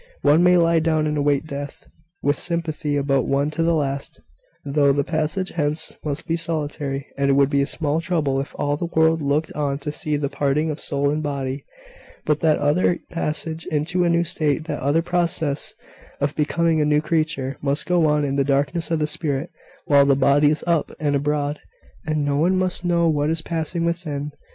One may lie down and await death, with sympathy about one to the last, though the passage hence must be solitary; and it would be a small trouble if all the world looked on to see the parting of soul and body: but that other passage into a new state, that other process of becoming a new creature, must go on in the darkness of the spirit, while the body is up and abroad, and no one must know what is passing within.